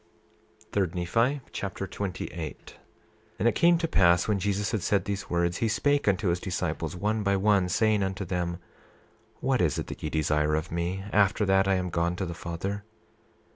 3 Nephi Chapter 28 28:1 And it came to pass when Jesus had said these words, he spake unto his disciples, one by one, saying unto them: What is it that ye desire of me, after that I am gone to the Father?